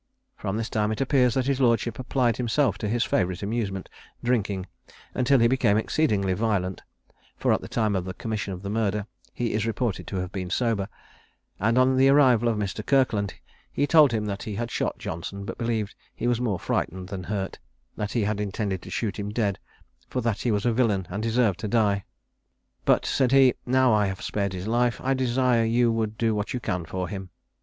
From this time it appears that his lordship applied himself to his favourite amusement, drinking, until he became exceedingly violent (for at the time of the commission of the murder he is reported to have been sober), and on the arrival of Mr. Kirkland he told him that he had shot Johnson, but believed he was more frightened than hurt; that he had intended to shoot him dead, for that he was a villain and deserved to die; "but," said he, "now I have spared his life, I desire you would do what you can for him."